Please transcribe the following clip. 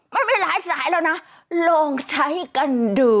มันมีหลายสายแล้วนะลองใช้กันดู